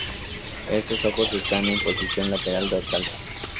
Estos ojos están en posición lateral-dorsal.